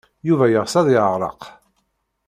Yuba yeɣs ad yeɛreq.